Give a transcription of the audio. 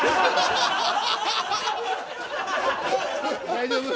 大丈夫？